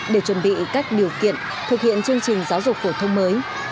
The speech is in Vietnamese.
để chuẩn bị các điều kiện thực hiện chương trình giáo dục phổ thông mới